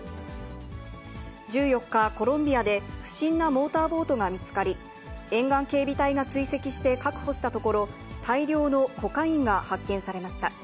１４日、コロンビアで、不審なモーターボートが見つかり、沿岸警備隊が追跡して確保したところ、大量のコカインが発見されました。